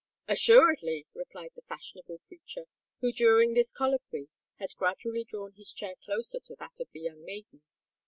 "Assuredly," replied the fashionable preacher, who during this colloquy had gradually drawn his chair closer to that of the young maiden.